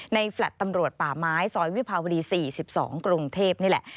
แฟลต์ตำรวจป่าไม้ซอยวิภาวดี๔๒กรุงเทพนี่แหละ